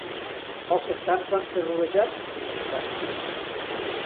Els texans van ser rodejats i derrotats.